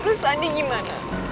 terus andi gimana